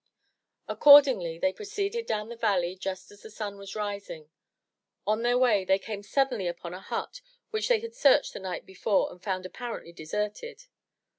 Accordingly they proceeded down the valley just as the sun was rising. On their way they came suddenly upon a hut which they had searched the night before and found apparently deserted.